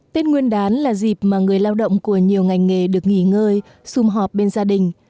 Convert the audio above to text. tết nguyên đán là dịp mà người lao động của nhiều ngành nghề được nghỉ ngơi xung họp bên gia đình